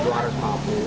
lu harus mampu